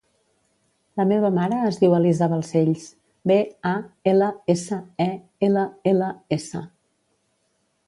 La meva mare es diu Elisa Balsells: be, a, ela, essa, e, ela, ela, essa.